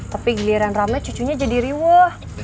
tapi giliran rame cucunya jadi riwah